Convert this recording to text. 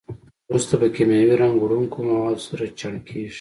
وروسته په کیمیاوي رنګ وړونکو موادو سره چاڼ کېږي.